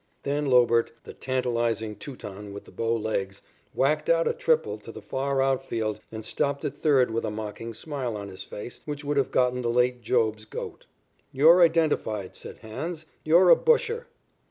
Then Lobert, the tantalizing Teuton with the bow legs, whacked out a triple to the far outfield and stopped at third with a mocking smile on his face which would have gotten the late Job's goat. "You're identified," said "Hans"; "you're a busher."